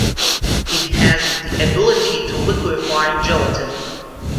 It has the ability to liquefy gelatin.